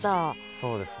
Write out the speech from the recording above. そうですよ